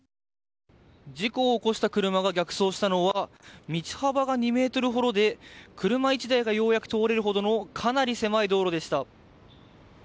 事故を起こした車が逆走したのは道幅が２ｍほどで、車１台がようやく通れるほどのかなり狭い道路でした。